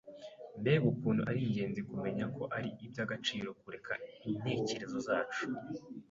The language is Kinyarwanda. mbega ukuntu ari ingenzi kumenya ko ari iby’agaciro kureka intekerezo zacu